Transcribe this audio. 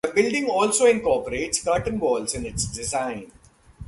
The building also incorporates curtain walls in its design.